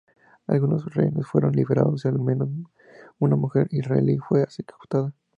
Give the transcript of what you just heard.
Algunos rehenes fueron liberados y al menos una mujer israelí fue ejecutada.